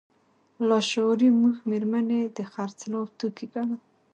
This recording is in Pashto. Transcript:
لاشعوري موږ مېرمنې د خرڅلاو توکي ګڼو.